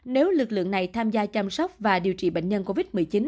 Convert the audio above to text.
nếu lực lượng này tham gia chăm sóc và điều trị bệnh nhân covid một mươi chín